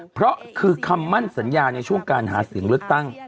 เพราะคือคำมั่นสัญญาในช่วงการหาเสียงเลือกตั้ง